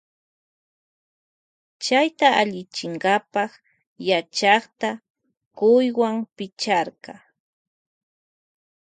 Chayta allichinkapa yachakka cuywan picharka.